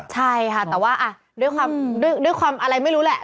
ใช่ค่ะแต่ว่าด้วยความอะไรไม่รู้แหละ